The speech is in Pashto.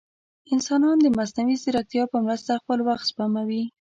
انسانان د مصنوعي ځیرکتیا په مرسته خپل وخت سپموي.